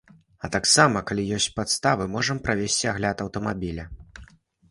А таксама, калі ёсць падставы, можам правесці агляд аўтамабіля.